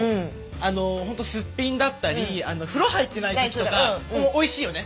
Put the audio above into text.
ほんとすっぴんだったり風呂入ってない時とかおいしいよね